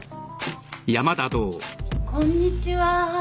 こんにちは。